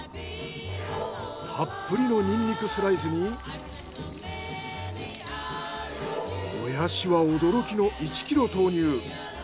たっぷりのニンニクスライスにもやしは驚きの１ｋｇ投入。